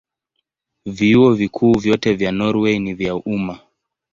Vyuo Vikuu vyote vya Norwei ni vya umma.